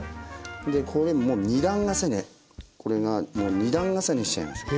でこれもう２段重ねこれがもう２段重ねにしちゃいます。